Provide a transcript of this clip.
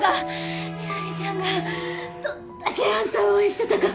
南ちゃんがどんだけあんたを応援してたか。